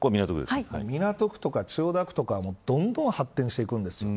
港区とか千代田区とかどんどん発展していくんですよ。